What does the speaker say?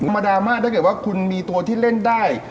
มาดราม่าถ้าเกิดว่าคุณมีตัวที่เล่นได้